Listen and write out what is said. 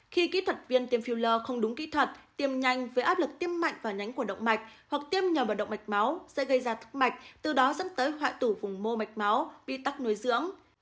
khi kỹ thuật viên tiêm filler không đúng kỹ thuật tiêm nhanh với áp lực tiêm mạnh vào nhánh của động mạch hoặc tiêm nhầm vào động mạch máu sẽ gây ra thức mạch từ đó dẫn tới hoại tử vùng mô mạch máu vi tắc nối dưỡng